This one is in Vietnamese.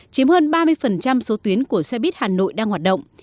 chiếm hơn ba mươi số tuyến của xe buýt hà nội đang hoạt động